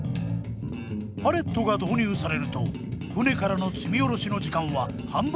パレットが導入されると船からの積みおろしの時間は半分以下に短縮。